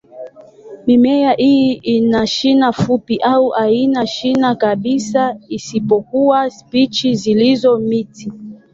Mimea hii ina shina fupi au haina shina kabisa, isipokuwa spishi zilizo miti.